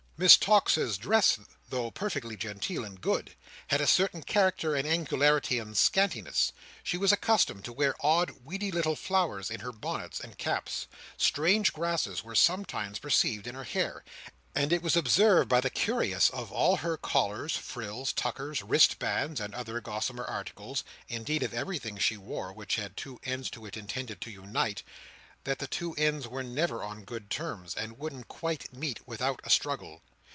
Miss Tox's dress, though perfectly genteel and good, had a certain character of angularity and scantiness. She was accustomed to wear odd weedy little flowers in her bonnets and caps. Strange grasses were sometimes perceived in her hair; and it was observed by the curious, of all her collars, frills, tuckers, wristbands, and other gossamer articles—indeed of everything she wore which had two ends to it intended to unite—that the two ends were never on good terms, and wouldn't quite meet without a struggle.